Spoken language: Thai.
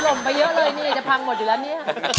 ไปเยอะเลยนี่จะพังหมดอยู่แล้วเนี่ย